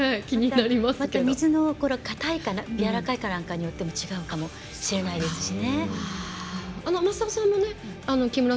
水の硬いかやわらかいかによっても違うかもしれないですしね。